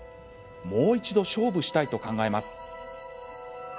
もう一度勝負したいと考えます。